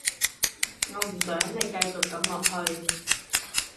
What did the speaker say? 我唔想你繼續噉落去